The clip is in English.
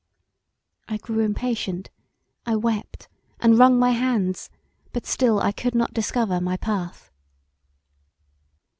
I grew impatient, I wept; and wrung my hands but still I could not discover my path.